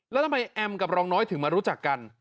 แล้วทำไมแอมกับรองน้อยถึงมารู้จักกัน